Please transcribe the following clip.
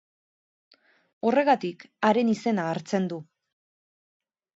Horregatik haren izena hartzen du.